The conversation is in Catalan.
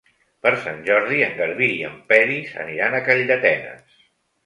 Per Sant Jordi en Garbí i en Peris aniran a Calldetenes.